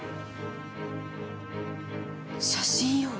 写真よ。